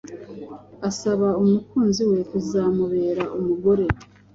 asaba umukunzi we kuzamubera umugore